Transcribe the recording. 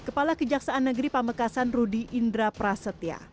kepala kejaksaan negeri pamekasan rudy indra prasetya